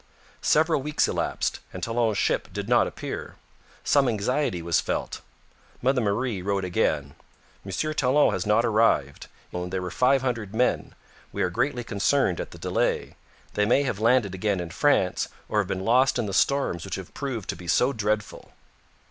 Several weeks elapsed, and Talon's ship did not appear. Some anxiety was felt. Mother Marie wrote again: 'M. Talon has not arrived; in his ship alone there were five hundred men. We are greatly concerned at the delay. They may have landed again in France, or have been lost in the storms which have proved to be so dreadful.'